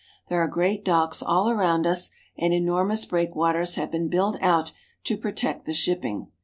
There are great docks all about us, and enormous breakwaters have been built out to protect the shipping.